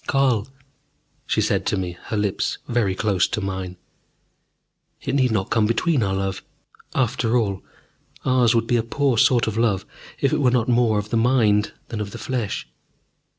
"Carl," she said to me, her lips very close to mine, "it need not come between our love. After all, ours would be a poor sort of love if it were not more of the mind than of the flesh.